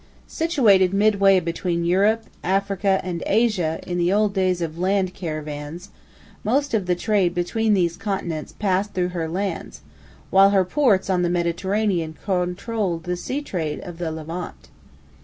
Situated midway between Europe, Africa, and Asia in the old days of land caravans, most of the trade between these continents passed through her hands, while her ports on the Mediterranean controlled the sea trade of the Levant.